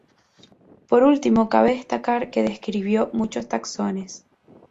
Por último, cabe destacar que describió muchos taxones.